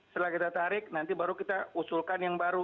setelah kita tarik nanti baru kita usulkan yang baru